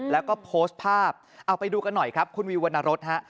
แล้วก็โพสต์ภาพเอาไปดูกันหน่อยครับคุณวิววรรณรสฮะ